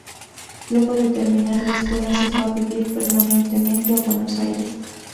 Luego de terminar la escuela se fue a vivir permanentemente a Buenos Aires.